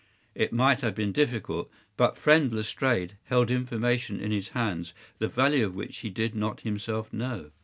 ” “It might have been difficult, but friend Lestrade held information in his hands the value of which he did not himself know.